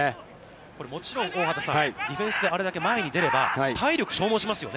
これ、もちろん、大畑さん、ディフェンスであれだけ前に出れば、体力を消耗しますよね。